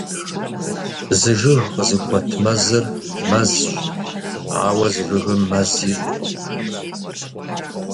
Зы жыг къызыхуэт мэзыр — мэзщ. Ауэ зы жыгым мэз ищӀкъым.